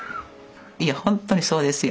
いや本当にそうですよ。